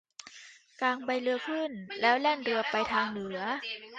กางใบเรือขึ้นแล้วแล่นเรือไปทางเหนือ